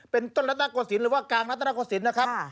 เป็นต้นรัฐนาโกศิลปหรือว่ากลางรัตนโกศิลป์นะครับ